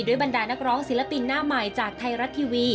บรรดานักร้องศิลปินหน้าใหม่จากไทยรัฐทีวี